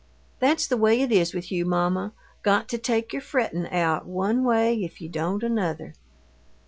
"That's the way it is with you, mamma got to take your frettin' out one way if you don't another!"